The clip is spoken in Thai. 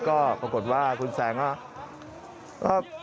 ก็ปรากฏว่าคุณแซงก็